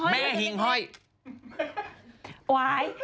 แม่หิ่งห้อย